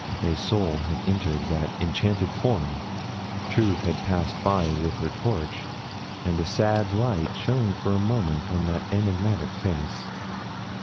A soul had entered that enchanted form. Truth had passed by with her torch, and a sad light shone for a moment on that enigmatic face.